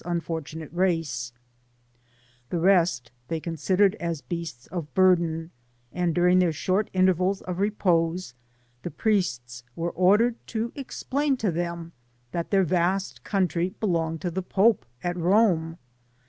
t unfortunate race; the rest they treated as beasts of burden, and during their short intervals of re pose, the priests were ordered to explain to them, that their vast country belonged to the Pope at Rome.